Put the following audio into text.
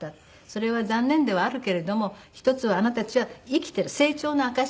それは残念ではあるけれども一つはあなたたちは生きてる成長の証しだから」